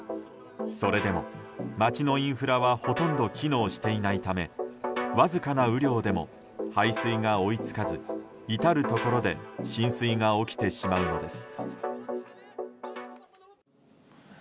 それでも街のインフラはほとんど機能していないためわずかな雨量でも排水が追いつかず至るところで浸水が起きてしまうのです。